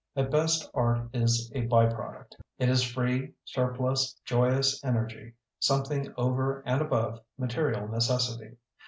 At best art is a byproduct. It is free, surplus, joyous energy — something over and above material necessity.